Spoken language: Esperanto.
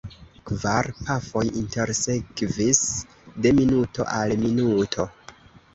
Kvar pafoj intersekvis de minuto al minuto.